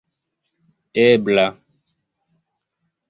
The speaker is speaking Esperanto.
ebla